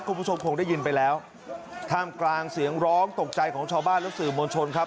คุณผู้ชมคงได้ยินไปแล้วท่ามกลางเสียงร้องตกใจของชาวบ้านและสื่อมวลชนครับ